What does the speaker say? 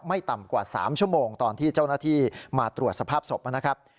ต่ำกว่า๓ชั่วโมงตอนที่เจ้าหน้าที่มาตรวจสภาพศพนะครับ